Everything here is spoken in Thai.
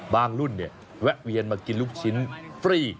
บางรุ่นเนี่ยแวะเวียนมากินลูกชิ้นฟรี